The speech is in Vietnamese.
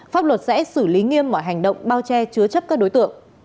pháp luật sẽ xử lý nghiêm mọi hành động bao che chứa chấp các đối tượng